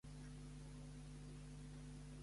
Gallery y el Stud!o.